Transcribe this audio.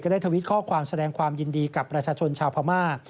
ได้ทวิตข้อความแสดงความยินดีกับประชาชนชาวพม่า